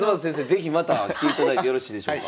是非また来ていただいてよろしいでしょうか？